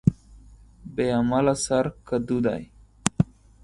بې عمله سر کډو دى.